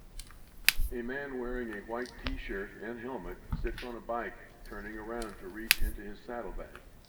A man wearing a white tshirt and helmet sits on a bike turning around to reach into his saddle bag